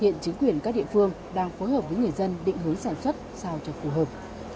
hiện chính quyền các địa phương đang phối hợp với người dân định hướng sản xuất sao cho phù hợp